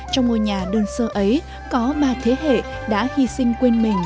trong ngôi nhà đơn sơ ấy có ba thế hệ đã hy sinh quên mình